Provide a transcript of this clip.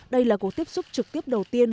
đây là cuộc tiếp xúc trực tiếp đầu tiên